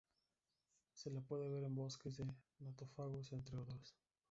Se la puede ver en bosques de "Nothofagus", entre otros.